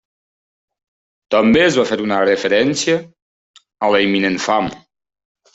També es va fer una referència a la imminent fam.